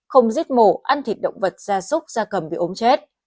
không giết mổ ăn thịt động vật da súc da cầm bị ốm chết